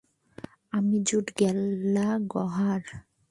আমি জুড গ্যালাগহার!